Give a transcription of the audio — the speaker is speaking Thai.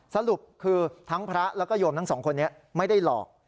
สรุปคือทั้งพระแล้วก็โยมทั้งสองคนนี้ไม่ได้หลอก